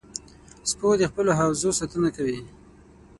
سپو د خپلو حوزو ساتنه کوي.